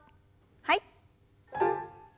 はい。